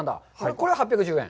これが８１０円。